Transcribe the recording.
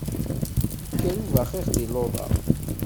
Yekker ubaxix di luḍa!